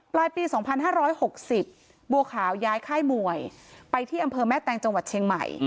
ปลายปี๒๕๖๐บัวขาวย้ายค่ายมวยไปที่อำเภอแม่แตงจังหวัดเชียงใหม่